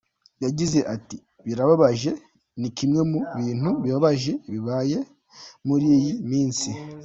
Yagize ati "Birababaje, ni kimwe mu bintu bibabaje bibaye muri iyi minsi”.